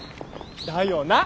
だよな！